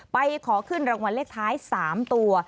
ไปขอขึ้นรางวัลเลขท้าย๓ตัว